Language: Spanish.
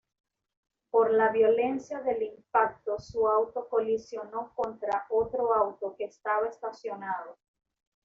Por la violencia del impacto su auto colisionó contra otro automóvil que estaba estacionado.